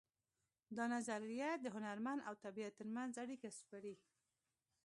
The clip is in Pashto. دا نظریه د هنرمن او طبیعت ترمنځ اړیکه سپړي